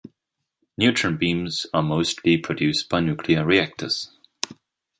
Neutron beams are mostly produced by nuclear reactors.